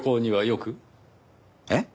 えっ？